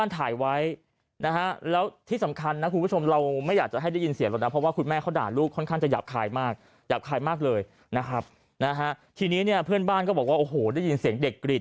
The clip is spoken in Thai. ทีนี้เนี่ยเพื่อนบ้านก็บอกว่าโอ้โหได้ยินเสียงเด็กกรีด